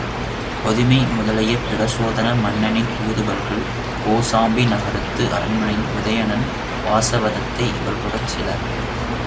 பதுமை முதலிய பிரச்சோதன மன்னனின் தூதுவர்கள் கோசாம்பி நகரத்து அரண்மனையில் உதயணன், வாசவதத்தை இவர்களுடன் சில நாள்கள் தங்கியிருந்தனர்.